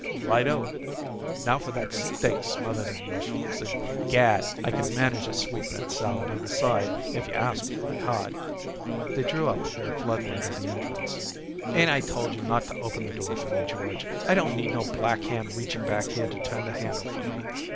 "Right o! Now for that steak smothered in mushrooms, and, gad! I could manage a sweetbread salad on the side if you asked me right hard." They drew up in the flood light of the entrance. "'Ain't I told you not to open the door for me, George? I don't need no black hand reaching back here to turn the handle for me.